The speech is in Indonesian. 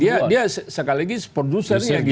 dia dia sekali lagi se producer ya gitu